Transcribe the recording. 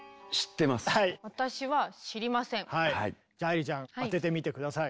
うん。じゃあ愛理ちゃん当ててみて下さい。